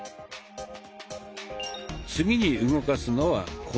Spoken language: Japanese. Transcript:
次に動かすのはこの２本。